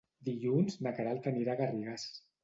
Dilluns na Queralt anirà a Garrigàs.